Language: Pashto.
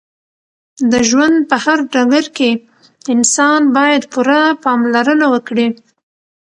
د ژوند په هر ډګر کې انسان باید پوره پاملرنه وکړې